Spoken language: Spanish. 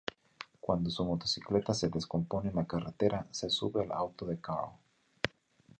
Cuando su motocicleta se descompone en la carretera, se sube al auto de Carl.